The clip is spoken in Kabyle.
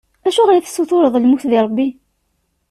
Acuɣer i tessutureḍ lmut di Rebbi?